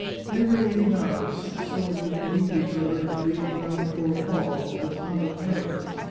Every eight hours six soldiers relieved each other in the great ground floor hall, with its hundred pillars.